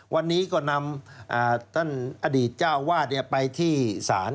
วันนี้ก็นำอดีตเจ้าวาดเนี่ยไปที่สาร